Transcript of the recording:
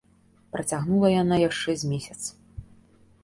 Працягнула яна яшчэ з месяц.